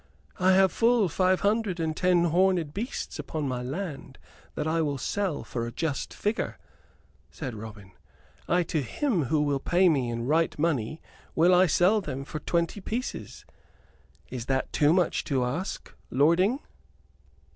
"I have full five hundred and ten horned beasts upon my land that I will sell for a just figure," said Robin. "Ay, to him who will pay me in right money will I sell them for twenty pieces. Is that too much to ask, lording?"